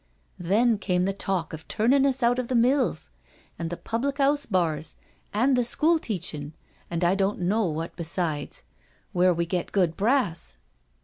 Then came the talk of turnin' us out of the mills, and the public 'ouse bars, an' the school teachin', an' I don't know what besides, where we get good brass.